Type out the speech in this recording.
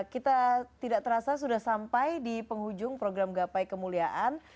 kita tidak terasa sudah sampai di penghujung program gapai kemuliaan